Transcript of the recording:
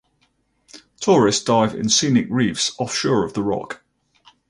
Tourists dive in scenic reefs offshore of the rock.